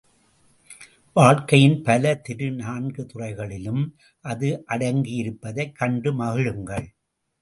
வாழ்க்கையின் பல திரு நான்கு துறைகளிலும் அது அடங்கியிருப்பதைக் கண்டு மகிழுங்கள்.